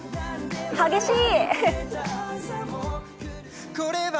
激しい。